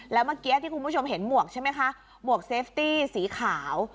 และเมื่อเกียยเรทที่คุณผู้ชมเห็นหมวกซีฟตี้สีขาว